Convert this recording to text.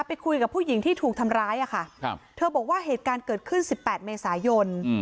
ไปคุยกับผู้หญิงที่ถูกทำร้ายค่ะเธอบอกว่าเหตุการณ์เกิดขึ้น๑๘เมษายน